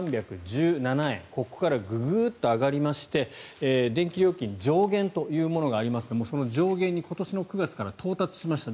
ここからググッと上がりまして電気料金、上限というものがありますがその上限に今年の９月から到達しました。